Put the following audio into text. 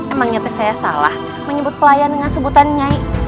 emang nyata saya salah menyebut pelayan dengan sebutan nyai